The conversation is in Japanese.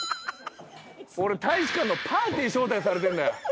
俺、大使館のパーティー招待されてんだよ。